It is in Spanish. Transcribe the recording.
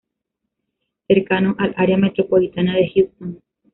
Cercano al Área Metropolitana de Houston.